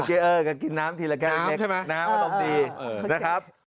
เออก็กินน้ำทีละแค่เล็กน้ำอารมณ์ดีนะครับ